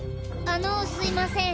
あのすいません。